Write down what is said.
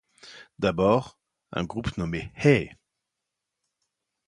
D'abord, un group nommé Hey!